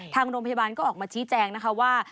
ทางโรงพยาบาลก็ออกมาชี้แจงนะคะว่า